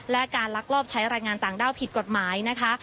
และการลักลอบใช้รายงานต่างด้าวผิดกฎหมายนะคะ